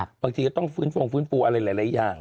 บางทีก็ต้องฟื้นฟงฟื้นฟูอะไรหลายอย่าง